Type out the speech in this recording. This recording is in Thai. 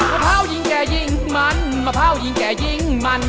มะพร้าวหญิงแก่หญิงมันมะพร้าวหญิงแก่หญิงมัน